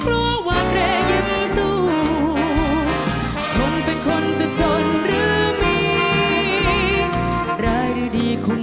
เผ่าไทยเดิมล่วงคนใจเด่น